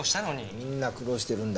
みんな苦労してるんだ。